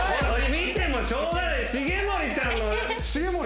見てもしょうがない